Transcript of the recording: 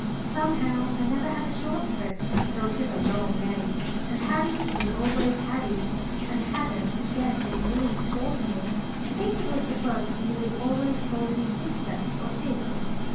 Somehow I never had a "short" for it, though it is a long name, and Haddie was always Haddie, and "Haddon" scarcely needs shortening. I think it was because he nearly always called me Sister or "Sis."